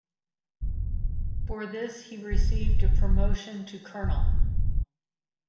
For this he received a promotion to colonel.